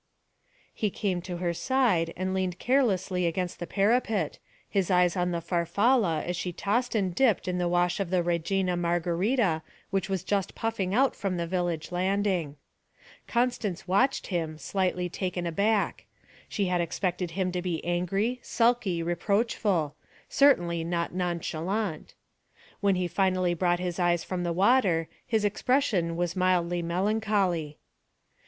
He came to her side and leaned carelessly against the parapet, his eyes on the Farfalla as she tossed and dipped in the wash of the Regina Margarita which was just puffing out from the village landing. Constance watched him, slightly taken aback; she had expected him to be angry, sulky, reproachful certainly not nonchalant. When he finally brought his eyes from the water, his expression was mildly melancholy.